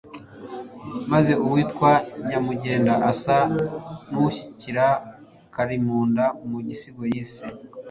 maze uwitwa Nyamugenda asa n'ushyigikira Kalimunda mu gisigo yise